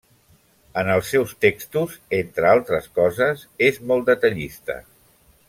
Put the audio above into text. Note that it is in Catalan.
En els seus textos, entre altres coses, és molt detallista.